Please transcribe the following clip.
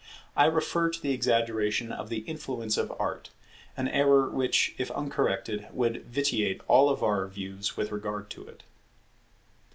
I refer to the exaggeration of the influence of Art; an error which, if uncorrected, would vitiate all our views with regard to it.